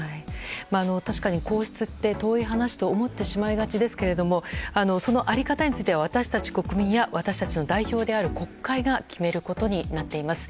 確かに皇室って遠い話と思ってしまいがちですがその在り方については私たち国民や私たちの代表である国会が決めることになっています。